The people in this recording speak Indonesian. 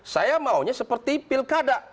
saya maunya seperti pilkada